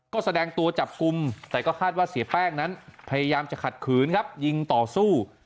ก็แสดงตัวจับกลุ่มแต่ก็คาดว่าเสียแป้งนั้นพยายามจะขัดขืนครับยิงต่อสู้